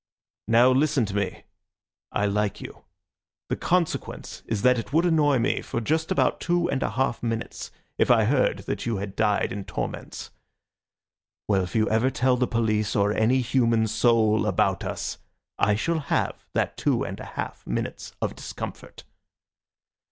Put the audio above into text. Now listen to me. I like you. The consequence is that it would annoy me for just about two and a half minutes if I heard that you had died in torments. Well, if you ever tell the police or any human soul about us, I shall have that two and a half minutes of discomfort.